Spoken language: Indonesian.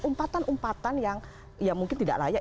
umpatan umpatan yang mungkin tidak layak